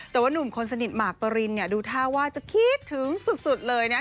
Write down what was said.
แต่ว่านุ่มคนสนิทหมากปรินเนี่ยดูท่าว่าจะคิดถึงสุดเลยนะ